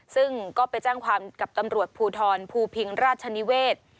ซึ่งก็ไปแจ้งความกับตำรวจภูทรภูพิงราชนิเวศ